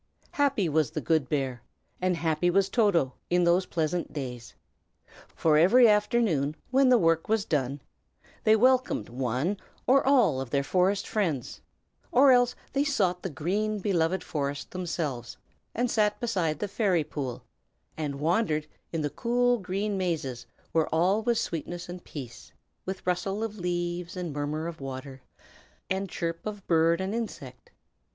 Happy was the good bear, and happy was Toto, in those pleasant days. For every afternoon, when the work was done, they welcomed one or all of their forest friends; or else they sought the green, beloved forest themselves, and sat beside the fairy pool, and wandered in the cool green mazes where all was sweetness and peace, with rustle of leaves and murmur of water, and chirp of bird and insect.